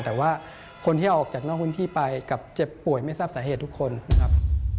แต่ว่าคนที่ออกจากนอกพื้นที่ไปกับเจ็บป่วยไม่ทราบสาเหตุทุกคนนะครับ